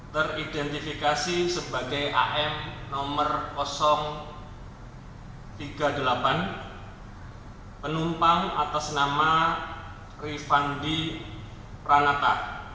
teridentifikasi sebagai am nomor tiga puluh delapan penumpang atas nama rifandi pranata